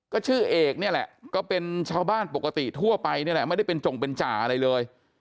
ก็ชื่อเอกเนี่ยแหละก็เป็นชาวบ้านปกติทั่วไปนี่แหละไม่ได้เป็นจงเป็นจ่าอะไรเลย